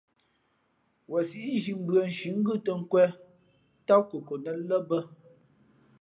Wen síʼ nzhī mbʉ̄ᾱ nshǐ ngʉ́ tᾱ^nkwēn ntám kokonet lά bᾱ.